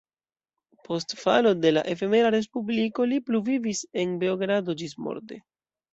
Post falo de la efemera respubliko li pluvivis en Beogrado ĝismorte.